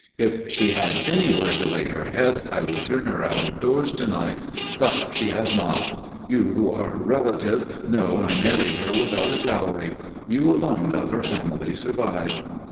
If she had anywhere to lay her head, I would turn her out of doors to night. But she has not. You, who are her relative, know I married her without a dowry. You alone of her family survive."